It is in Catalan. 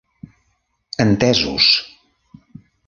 Entesos!